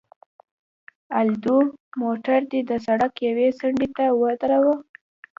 الدو، موټر دې د سړک یوې څنډې ته ودروه.